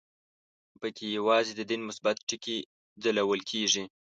په کې یوازې د دین مثبت ټکي ځلول کېږي.